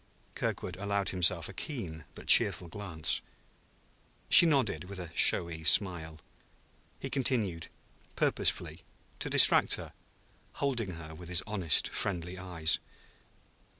Kirkwood allowed himself a keen but cheerful glance. She nodded, with a shadowy smile. He continued, purposefully, to distract her, holding her with his honest, friendly eyes.